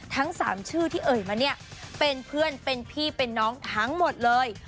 ทั้ง๓ชื่อที่เอ่ยมาเนี่ยเป็นเพื่อนเป็นพี่เป็นน้องทั้งหมดเลย